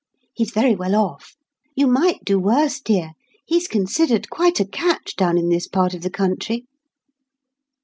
He's very well off. You might do worse, dear. He's considered quite a catch down in this part of the country."